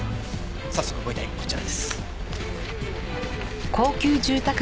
早速ご遺体こちらです。